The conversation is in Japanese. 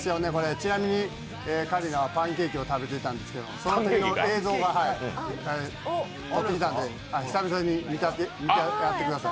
ちなみに桂里奈はパンケーキを食べていたんですけどそのときの映像が撮ってきたんで久々に見てやってください。